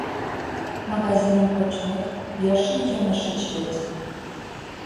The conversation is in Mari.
Магазиным почмек, йӧршын йымышыч вет.